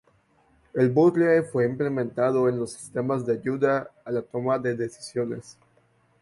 El bucle fue implementado en los sistemas de ayuda a la toma de decisiones.